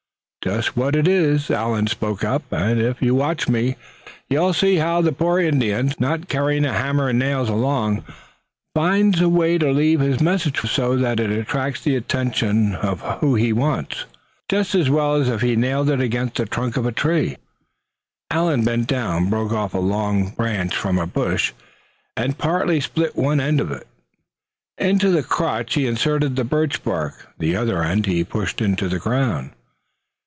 "Just what it is," Allan spoke up, "and if you watch me, you'll see how the poor Indian, not carrying a hammer and nails along, finds a way to leave his message so that it attracts the attention he wants, just as well as if he nailed it against the trunk of a tree." He bent down, broke off a long wand from a bush, and seemed to partly split one end of this. Into the crotch he inserted the birch bark. The other end he pushed into the ground.